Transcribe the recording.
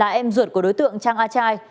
anh em ruột của đối tượng trang a chai